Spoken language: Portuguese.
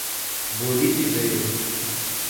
Buritizeiro